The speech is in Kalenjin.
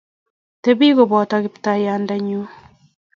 Tebi kobota, Kiptaiyandennyu